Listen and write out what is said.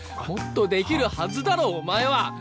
もっとできるはずだろお前は！